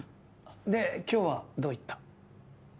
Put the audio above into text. で今日はどういった？